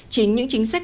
chính những chính sách